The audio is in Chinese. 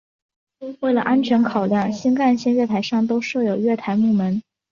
为了安全考量新干线月台上都设有月台幕门。